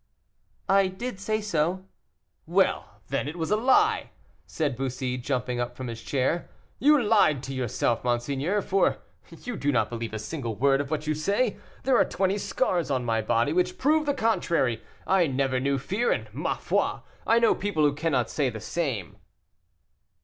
"I did say so." "Well, then, it was a lie!" said Bussy, jumping up from his chair; "you lied to yourself, monseigneur, for you do not believe a single word of what you say. There are twenty scars on my body, which prove the contrary. I never knew fear, and, ma foi, I know people who cannot say the same."